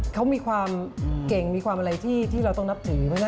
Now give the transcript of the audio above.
เขามีความเก่งมีความอะไรที่เราต้องนับถือไหมล่ะ